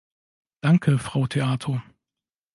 Danke, Frau Theato.